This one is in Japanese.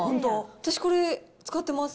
私これ、使ってます。